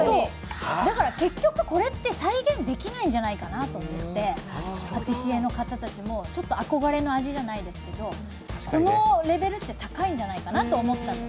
だから結局これって再現できないんじゃないかなと思って、パティシエの方たちも憧れの味じゃないですけどこのレベルって高いんじゃないかなと思ったんです。